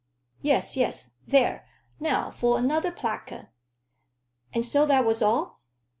"Yes, yes. There! Now for another placard. And so that was all?"